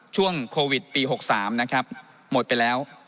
ช่วงโควิดปี๖๓หมดไปแล้ว